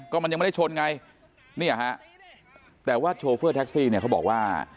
ก็มันยังไม่ได้ชนไงเนี่ยฮะแต่ว่าโชเฟอร์แท็กซี่เนี่ยเขาบอกว่า